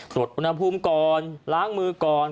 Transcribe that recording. ตรวจอุณหภูมิก่อนล้างมือก่อน